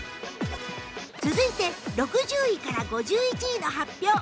続いて６０位から５１位の発表